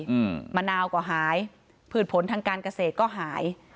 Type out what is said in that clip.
อืมมะนาวก็หายพืชผลทางการเกษตรก็หาย